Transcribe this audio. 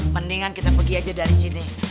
mendingan kita pergi aja dari sini